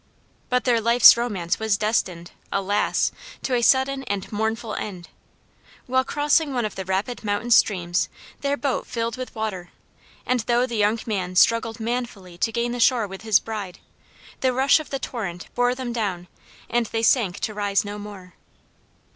But their life's romance was destined, alas! to a sudden and mournful end. While crossing one of the rapid mountain streams their boat filled with water, and though the young man struggled manfully to gain the shore with his bride, the rush of the torrent bore them down and they sank to rise no more.